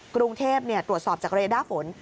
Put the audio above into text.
กรุงเทพตรวจสอบจากเรด้าฝน